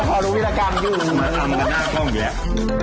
ก็พอดูวิธีการดูมาทำหน้ากล้องแหละ